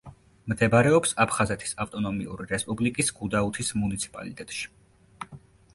მდებარეობს აფხაზეთის ავტონომიური რესპუბლიკის გუდაუთის მუნიციპალიტეტში.